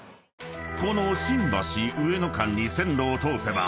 ［この新橋・上野間に線路を通せば］